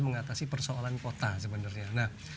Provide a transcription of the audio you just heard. mengatasi persoalan kota sebenarnya